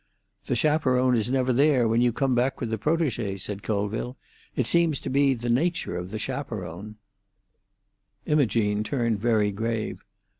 "The chaperone is never there when you come back with the protégée," said Colville. "It seems to be the nature of the chaperone." Imogene turned very grave.